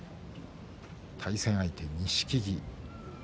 対戦相手は錦木。